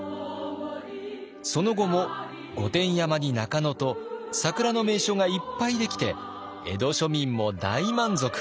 その後も御殿山に中野と桜の名所がいっぱい出来て江戸庶民も大満足。